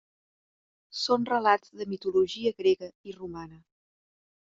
Són relats de mitologia grega i romana.